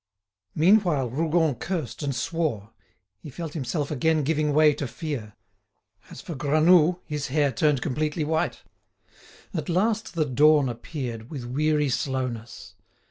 Meanwhile Rougon cursed and swore. He felt himself again giving way to fear. As for Granoux, his hair turned completely white. At last the dawn appeared with weary slowness.